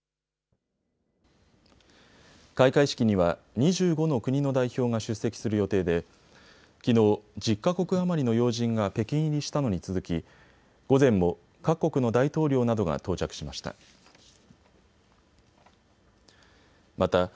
開会式には２５の国の代表が出席する予定できのう１０か国余りの要人が北京入りしたのに続き午前も各国の大統領などが到着しました。